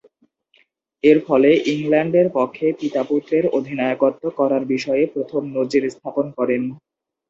এরফলে, ইংল্যান্ডের পক্ষে পিতা-পুত্রের অধিনায়কত্ব করার বিষয়ে প্রথম নজির স্থাপন করেন।